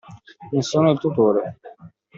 Ne sono il tutore.